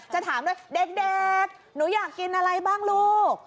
จะถามด้วยเด็กหนูอยากกินอะไรบ้างลูก